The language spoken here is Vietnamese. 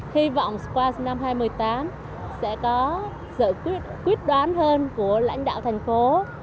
hy vọng qua năm hai nghìn một mươi tám sẽ có giải quyết quyết đoán hơn của lãnh đạo thành phố